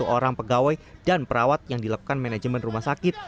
satu ratus satu orang pegawai dan perawat yang dilepkan manajemen rumah sakit